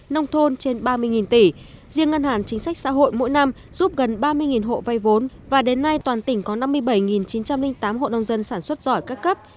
nông thôn trên ba mươi tỷ riêng ngân hàng chính sách xã hội mỗi năm giúp gần ba mươi hộ vay vốn và đến nay toàn tỉnh có năm mươi bảy chín trăm linh tám hộ nông dân sản xuất giỏi các cấp